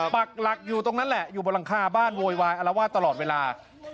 ปักหลักอยู่ตรงนั้นแหละอยู่บนหลังคาบ้านโวยวายอารวาสตลอดเวลา